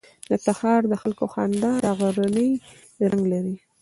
د تخار د خلکو خندا د غرنی رنګ لري.